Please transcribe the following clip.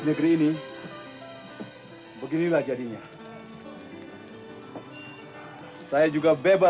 biar dia tidak bisa lama lagi